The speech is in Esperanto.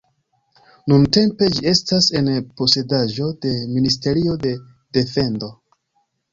Nuntempe ĝi estas en posedaĵo de Ministerio de defendo.